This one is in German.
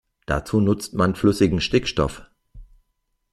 Dazu nutzt man flüssigen Stickstoff.